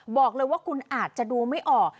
บอกเลยว่าคุณอาจจะดูไม่ออก